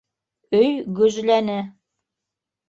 Өй гөжләне.